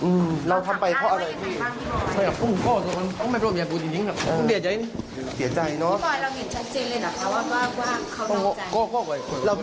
หรือว่าเราทำไปเพราะอะไรครับพี่ครับ